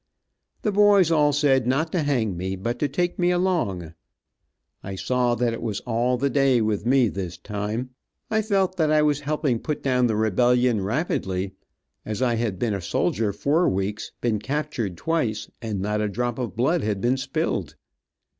The boys all said not to hang me, but to take me along. I saw that it was all day with me this time. I felt that I was helping put down the rebellion rapidly, as I had been a soldier four weeks, been captured twice, and not a drop of blood had been spilled.